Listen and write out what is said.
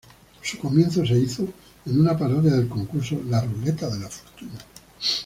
Su comienzo se hizo en una parodia del concurso "La ruleta de la fortuna".